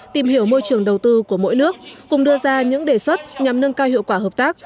tìm hiểu môi trường đầu tư của mỗi nước cùng đưa ra những đề xuất nhằm nâng cao hiệu quả hợp tác